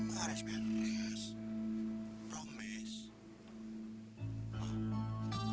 tapi gak mau utangnya banyak